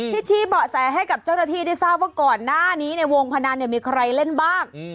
ที่ชี้เบาะแสให้กับเจ้าหน้าที่ได้ทราบว่าก่อนหน้านี้ในวงพนันเนี่ยมีใครเล่นบ้าง